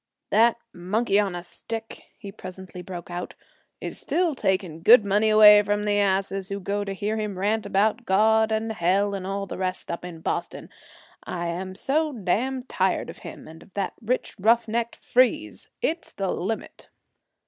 'That monkey on a stick,' he presently broke out, 'is still taking good money away from the asses who go to hear him rant about God and Hell and all the rest, up in Boston. I am so damn tired of him, and of that rich rough neck Freeze. It's the limit.'